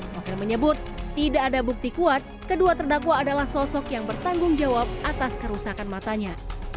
novel menyebut tidak ada bukti kuat kedua terdakwa adalah sosok yang bertanggung jawab atas kerusakan matanya